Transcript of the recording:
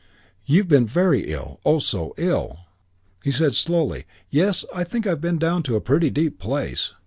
"You've been very ill; oh, so ill." He said slowly, "Yes, I think I've been down in a pretty deep place."